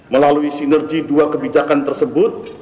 melalui sinergi dua kebijakan tersebut